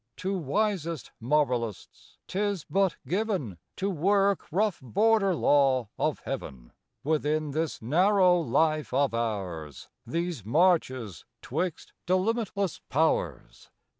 To wisest moralists 'tis but given To work rough border law of Heaven, Within this narrow life of ours, These marches 'twixt delimitless Powers.